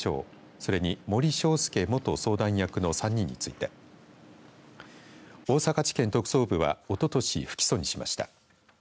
それに森詳介元相談役の３人について大阪地検特捜部はおととし、不起訴にしました。